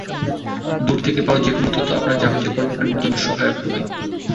দূর থেকে পাওয়া কোনো তথ্য আপনার যাবতীয় কর্মকাণ্ডের জন্য সহায়ক হবে।